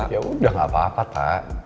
yaudah gak apa apa tak